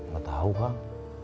gak tau kang